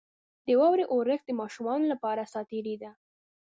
• د واورې اورښت د ماشومانو لپاره ساتیري ده.